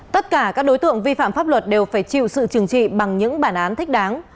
tất cả các đối tượng vi phạm pháp luật đều phải chịu sự trừng trị bằng những bản án thích đáng